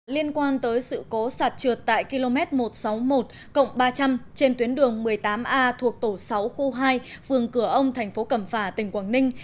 liên quan tới sự cố sạt trượt tại km một trăm sáu mươi một ba trăm linh trên tuyến đường một mươi tám a thuộc tổ sáu khu hai phường cửa ông thành phố cẩm phả tỉnh quảng ninh